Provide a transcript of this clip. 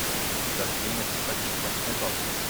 Das Ding ist völlig zerknittert.